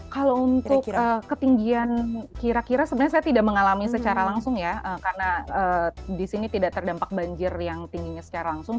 kalau untuk ketinggian kira kira sebenarnya saya tidak mengalami secara langsung ya karena di sini tidak terdampak banjir yang tingginya secara langsung